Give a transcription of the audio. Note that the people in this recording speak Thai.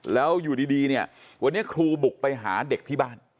แล้วอยู่ดีวันนี้ครูบุกไปหาเด็กบ้าน